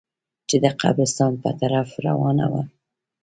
چې د قبرستان په طرف روانه وه.